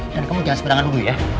dan kamu jangan sepedangan dulu ya